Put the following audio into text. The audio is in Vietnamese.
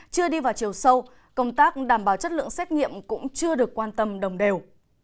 chưa đi vào chiều sâu công tác đảm bảo chất lượng xét nghiệm cũng chưa được quan tâm đồng đều